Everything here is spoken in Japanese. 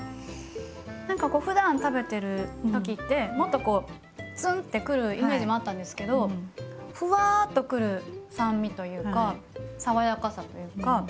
何かこうふだん食べてる時ってもっとツンってくるイメージもあったんですけどふわっとくる酸味というか爽やかさというか。